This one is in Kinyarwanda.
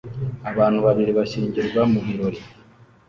Abantu babiri bashyingirwa mu birori